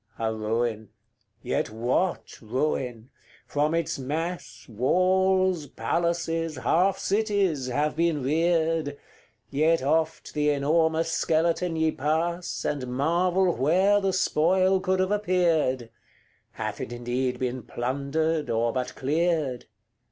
CXLIII. A ruin yet what ruin! from its mass Walls, palaces, half cities, have been reared; Yet oft the enormous skeleton ye pass, And marvel where the spoil could have appeared. Hath it indeed been plundered, or but cleared?